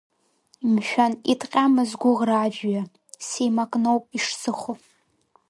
Мшәан, иҭҟьама сгәыӷра ажәҩа, сеимакноуп ишсыхо.